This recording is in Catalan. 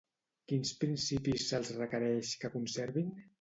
Quins principis se'ls requereix que conservin?